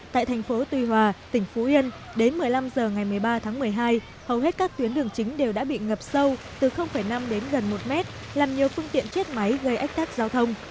tại thành phố tuy hòa tỉnh phú yên đến một mươi năm h ngày một mươi ba tháng một mươi hai hầu hết các tuyến đường chính đều đã bị ngập sâu từ năm đến gần một mét làm nhiều phương tiện chết máy gây ách tắc giao thông